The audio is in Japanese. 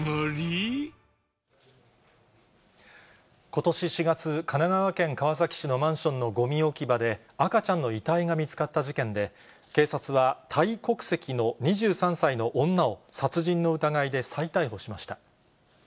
ことし４月、神奈川県川崎市のマンションのごみ置き場で、赤ちゃんの遺体が見つかった事件で、警察は、タイ国籍の２３歳の女を、殺人の疑いで再逮捕しました。